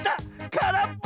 からっぽ！